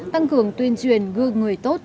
tăng cường tuyên truyền gương người tốt